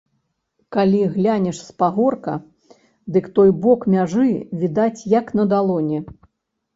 Калі глянеш з пагорка, дык той бок мяжы відаць, як на далоні.